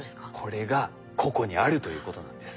これがここにあるということなんです。